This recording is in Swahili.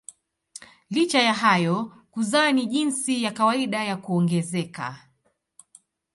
Licha ya hayo kuzaa ni jinsi ya kawaida ya kuongezeka.